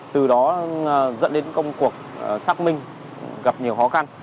từ đó dẫn đến công cuộc xác minh gặp nhiều khó khăn